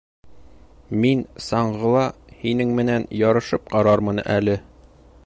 Мин саңғыла һинең менән ярышып ҡарармын әле.